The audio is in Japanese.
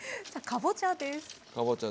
かぼちゃですわ。